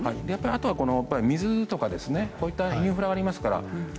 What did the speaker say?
あとは水とかインフラがありますから。